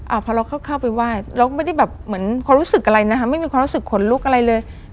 พอเราเข้าไปไหว้เราก็ไม่ได้แบบเหมือนความรู้สึกอะไรนะคะไม่มีความรู้สึกขนลุกอะไรเลย